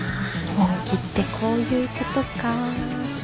本気ってこういうことか。